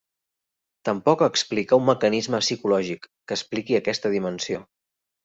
Tampoc explica un mecanisme psicològic que expliqui aquesta dimensió.